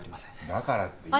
だからって今。